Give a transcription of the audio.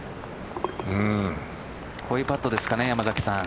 こういうパットですかね山崎さん。